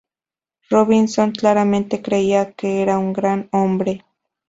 Robinson claramente creía que era un gran hombre.